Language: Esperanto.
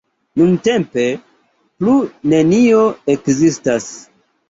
Nuntempe plu nenio ekzistas.